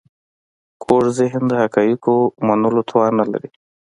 کوږ ذهن د حقایقو منلو توان نه لري